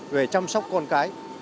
về chăm sóc con cái